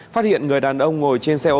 phát hiện người đàn ông ngồi trên xe ô tô